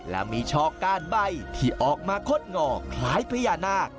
และมีชอกก้านใบที่ออกมาคดงอคล้ายพญานาค